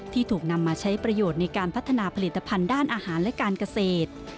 ถูกนำมาใช้ประโยชน์ในการพัฒนาผลิตภัณฑ์ด้านอาหารและการเกษตร